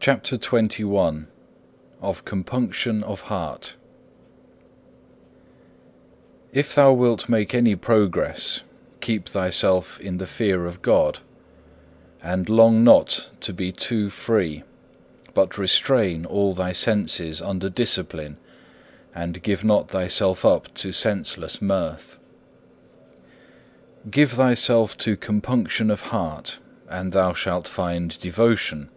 4. CHAPTER XXI Of compunction of heart If thou wilt make any progress keep thyself in the fear of God, and long not to be too free, but restrain all thy senses under discipline and give not thyself up to senseless mirth. Give thyself to compunction of heart and thou shalt find devotion.